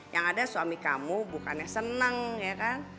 yang ada suami kamu bukannya senang ya kan